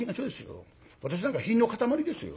私なんか品の塊ですよ。